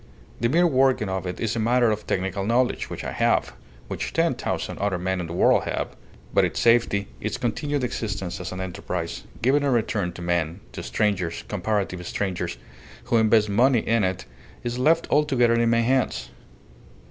The mere working of it is a matter of technical knowledge, which I have which ten thousand other men in the world have. But its safety, its continued existence as an enterprise, giving a return to men to strangers, comparative strangers who invest money in it, is left altogether in my hands.